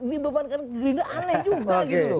dibebankan gerindra aneh juga gitu loh